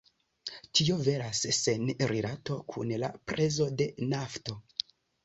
Tio veras sen rilato kun la prezo de nafto.